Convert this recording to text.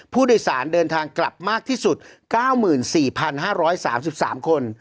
ผู้โดยสารเดินทางกลับมากที่สุดเก้าหมื่นสี่พันห้าร้อยสามสิบสามคน